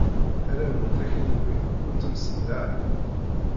Arraw n takniwin, ur ttemsendahen.